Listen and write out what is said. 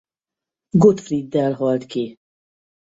Gottfrieddel halt ki.